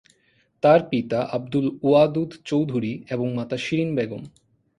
তার পিতা আবদুল ওয়াদুদ চৌধুরী এবং মাতা শিরিন বেগম।